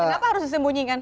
kenapa harus disembunyikan